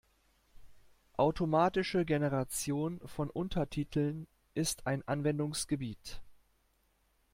Automatische Generation von Untertiteln ist ein Anwendungsgebiet.